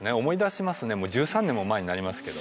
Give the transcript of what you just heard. もう１３年も前になりますけどね。